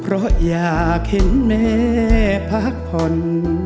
เพราะอยากเห็นแม่พักผ่อน